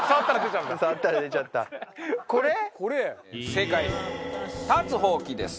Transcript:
正解立つほうきです。